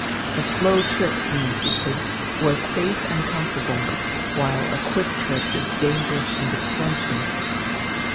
A slow trip, he insisted, was safe and comfortable, while a quick trip was dangerous and expensive.